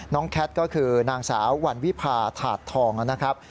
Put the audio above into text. แคทก็คือนางสาววันวิพาถาดทองนะครับ